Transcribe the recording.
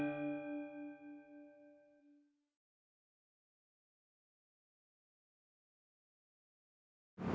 kamu sama kinanti